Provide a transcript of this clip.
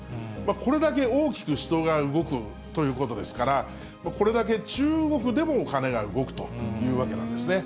これだけ大きく人が動くということですから、これだけ中国でもお金が動くというわけなんですね。